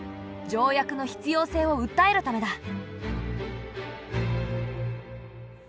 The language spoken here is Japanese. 条約の必要性をうったえるためだ。